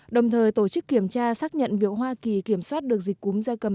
đồng thời tổ chức kiểm tra xác nhận việc hoa kỳ kiểm soát được dịch cúm da cầm